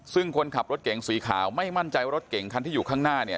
ซึ่งคนขับรถเก่งสีขาวไม่มั่นใจว่ารถเก่งคันที่อยู่ข้างหน้าเนี่ย